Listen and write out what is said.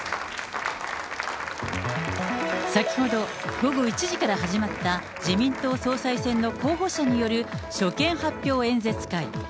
先ほど、午後１時から始まった自民党総裁選の候補者による所見発表演説会。